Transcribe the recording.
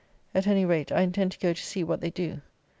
At any rate, I intend to go to see what they do.